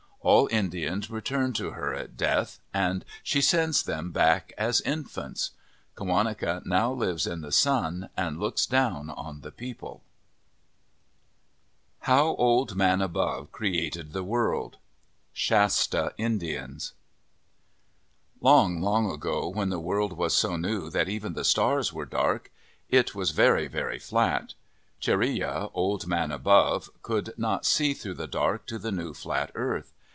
All Indians return to her at death and she sends them back as infants. Qawaneca now lives in the sun and looks down on the people. OF THE PACIFIC NORTHWEST HOW OLD MAN ABOVE CREATED THE WORLD Shasta Indians ENG, long ago, when the world was so new that even the stars were dark, it was very, very flat. Chareya, Old Man Above, could not see through the dark to the new, flat earth.